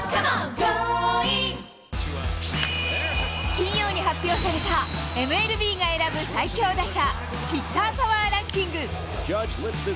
金曜に発表された、ＭＬＢが選ぶ最強打者、ヒッターパワーランキング。